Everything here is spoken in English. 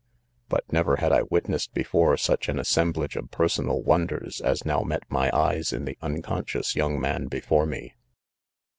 But never had I witnessed before such an assemblage of personal wonders, as now met my eyes in the unconscious young man before me.